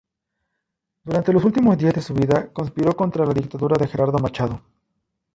Durante los últimos días de su vida conspiró contra la dictadura de Gerardo Machado.